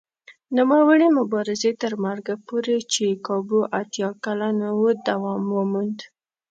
نوموړي مبارزې تر مرګه پورې چې کابو اتیا کلن و دوام وموند.